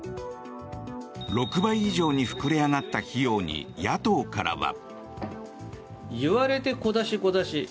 ６倍以上に膨れ上がった費用に野党からは。